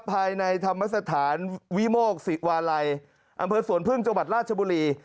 ภายในธรรมสถานวิโมกศิวาลัยอำเภอสวนพึ่งจังหวัดราชบุรี